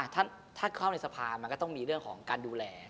ถ้าเข้าในสภามันก็ต้องมีเรื่องของการดูแล